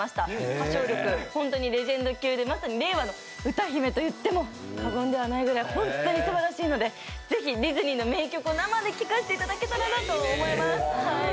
歌唱力、本当にレジェンド級で令和の歌姫と言っても過言ではないので本当にすばらしいのでぜひディズニーの名曲を生で聴かせていただけたらと思います。